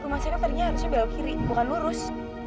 rumah saya kan tadinya harusnya bawa kiri bukan lurus